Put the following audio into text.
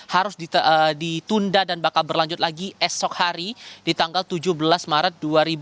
harus ditunda dan bakal berlanjut lagi esok hari di tanggal tujuh belas maret dua ribu dua puluh